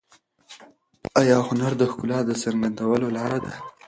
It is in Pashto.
آیا هنر د ښکلا د څرګندولو لاره ده؟